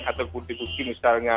atau bukti bukti misalnya